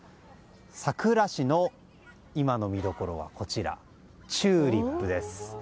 佐倉市の今の見どころはチューリップです。